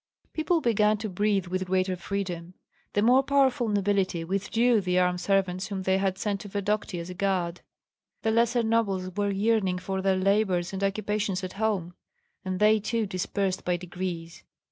People began to breathe with greater freedom. The more powerful nobility withdrew the armed servants whom they had sent to Vodokty as a guard. The lesser nobles were yearning for their labors and occupations at home, and they too dispersed by degrees.